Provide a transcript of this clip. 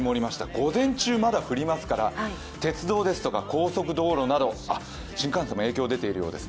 午前中、まだ降りますから鉄道ですとか高速道路など新幹線も影響が出ているようです。